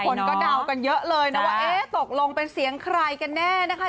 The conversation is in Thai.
คนก็เดากันเยอะเลยนะว่าเอ๊ะตกลงเป็นเสียงใครกันแน่นะคะ